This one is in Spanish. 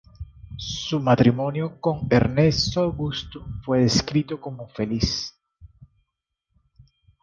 Su matrimonio con Ernesto Augusto fue descrito como feliz.